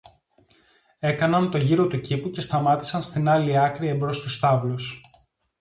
Έκαναν το γύρο του κήπου και σταμάτησαν στην άλλη άκρη, εμπρός στους στάβλους